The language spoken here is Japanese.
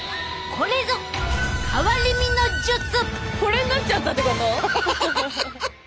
これになっちゃったってこと？